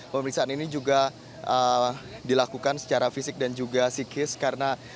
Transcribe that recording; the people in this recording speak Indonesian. pemeriksaan ini juga dilakukan secara fisik dan juga psikis karena